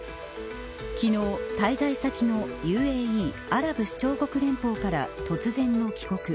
昨日、滞在先のＵＡＥアラブ首長国連邦から突然の帰国。